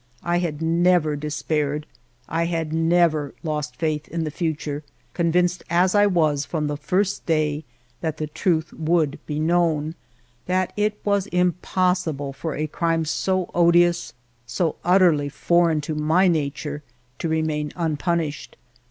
I had never despaired, I had never lost faith in the ALFRED DREYFUS 287 future, convinced as I was from the first day that the truth would be known, that it was impossible for a crime so odious, so utterly foreign to my nature, to remain unpunished.